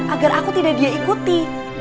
agar aku tidak dia ikuti